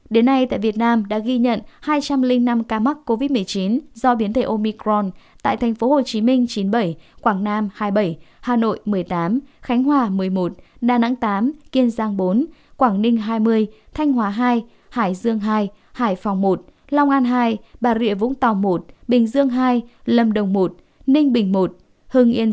đến nay tại việt nam đã ghi nhận hai trăm linh năm ca mắc covid một mươi chín do biến thể omicron tại thành phố hồ chí minh chín mươi bảy quảng nam hai mươi bảy hà nội một mươi tám khánh hòa một mươi một đà nẵng tám kiên giang bốn quảng ninh hai mươi thanh hòa hai hải dương hai hải phòng một lòng an hai bà rịa vũng tàu một bình dương hai lâm đồng một ninh bình một hương yên sáu bình phước một an giang một